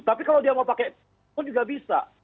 tapi kalau dia mau pakai pun juga bisa